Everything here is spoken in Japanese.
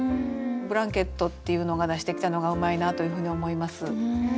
「ブランケット」っていうのが出してきたのがうまいなというふうに思います。